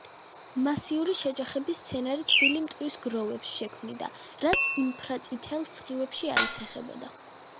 მასიური შეჯახების სცენარი თბილი მტვრის გროვებს შექმნიდა, რაც ინფრაწითელ სხივებში აისახებოდა.